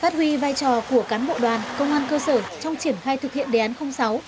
phát huy vai trò của cán bộ đoàn công an cơ sở trong triển khai thực hiện đề án sáu